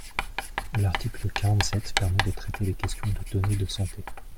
L’article quarante-sept permet de traiter les questions de données de santé.